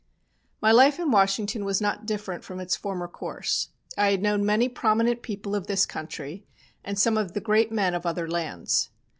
My life in Washington was not different from its former course. I had known many prominent people of this country, and some of the great men of other lands.